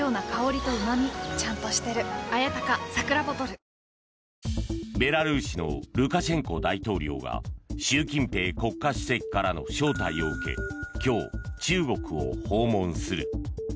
東京海上日動ベラルーシのルカシェンコ大統領が習近平国家主席からの招待を受け今日、中国を訪問する。